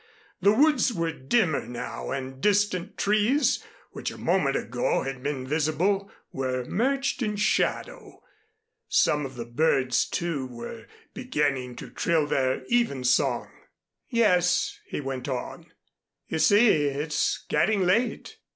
The woods were dimmer now and distant trees which a moment ago had been visible were merged in shadow. Some of the birds, too, were beginning to trill their even song. "Yes," he went on, "you see it's getting late.